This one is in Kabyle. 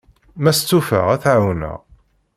Ma stufaɣ, ad t-ɛawneɣ.